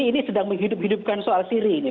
ini sedang menghidup hidupkan soal siri ini